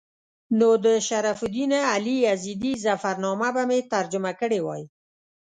نو د شرف الدین علي یزدي ظفرنامه به مې ترجمه کړې وای.